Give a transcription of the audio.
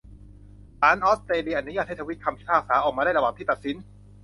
ศาลออสเตรเลียอนุญาตให้ทวิตคำพิพากษาออกมาได้ระหว่างที่ตัดสิน